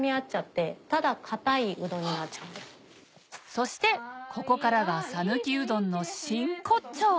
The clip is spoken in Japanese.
そしてここからが讃岐うどんの真骨頂！